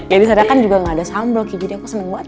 jadi sadar kan juga gak ada sambal kiki jadi aku seneng banget